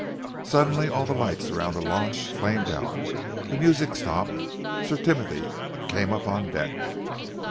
Suddenly all the lights around the launch flamed out, the music stopped. Sir Timothy came up on deck.